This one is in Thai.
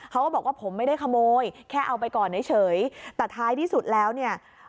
เขาก็บอกว่าผมไม่ได้ขโมยแค่เอาไปก่อนเฉยแต่ท้ายที่สุดแล้วเนี่ย